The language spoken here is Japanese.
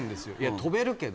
「跳べるけど」